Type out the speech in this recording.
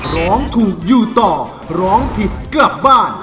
ร้องถูกอยู่ต่อร้องผิดกลับบ้าน